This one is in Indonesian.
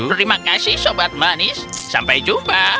terima kasih sobat manis sampai jumpa